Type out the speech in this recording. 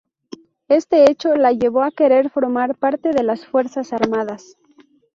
Este hecho la llevó a querer formar parte de las fuerzas armadas.